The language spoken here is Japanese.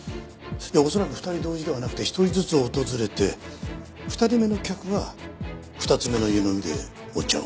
恐らく２人同時ではなくて１人ずつ訪れて２人目の客は２つ目の湯飲みでお茶を飲んだ。